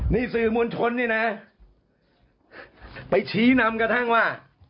นี่สื่อมวลชนนี่นะไปชี้นำกระทั่งว่า